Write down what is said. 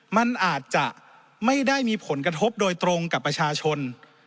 มันอาจจะไม่ได้มีผลกระทบโดยตรงกับประชาชน